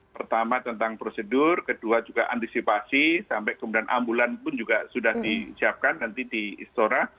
pertama tentang prosedur kedua juga antisipasi sampai kemudian ambulan pun juga sudah disiapkan nanti di istora